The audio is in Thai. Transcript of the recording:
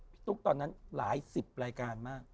พี่จ้างตอนนั้นหลายสิบรายการมาก